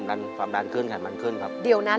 เปลี่ยนเพลงเพลงเก่งของคุณและข้ามผิดได้๑คำ